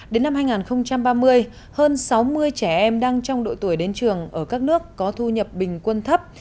đến năm hai nghìn ba mươi hơn sáu mươi trẻ em đang trong độ tuổi đến trường ở các nước có thu nhập bình quân thấp